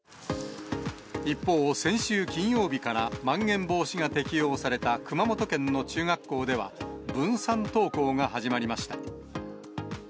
一方、先週金曜日から、まん延防止が適用された熊本県の中学校では、分散登校が始まりました。